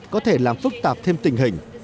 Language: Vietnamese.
có thể làm phức tạp thêm tình hình